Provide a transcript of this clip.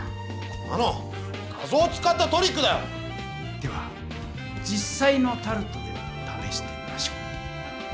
こんなの画ぞうを使ったトリックだよ！では実さいのタルトでためしてみましょう。